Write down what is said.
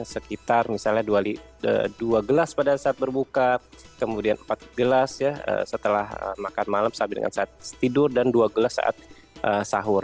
sekitar misalnya dua gelas pada saat berbuka kemudian empat gelas setelah makan malam sampai dengan saat tidur dan dua gelas saat sahur